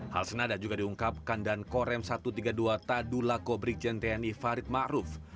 hal senada juga diungkapkan dan korem satu ratus tiga puluh dua tadulako brikjenteni farid ma'ruf